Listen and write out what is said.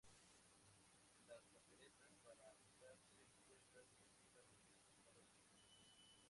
Las papeletas para votar se encuentran en algunas revistas para adolescentes.